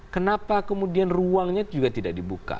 kenapa kemudian ruangnya juga tidak dibuka